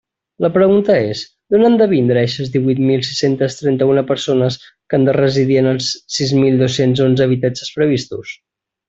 La pregunta és: ¿d'on han de vindre eixes díhuit mil sis-centes trenta-una persones que han de residir en els sis mil dos-cents onze habitatges previstos?